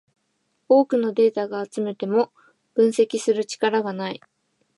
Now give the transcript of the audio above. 多くのデータが集めても分析する力がない